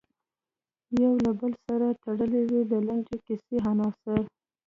یو له بل سره تړلې وي د لنډې کیسې عناصر.